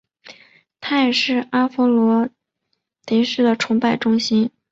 它也是阿佛罗狄忒的崇拜中心。